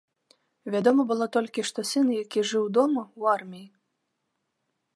Вядома было толькі, што сын, які жыў дома, у арміі.